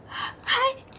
はい！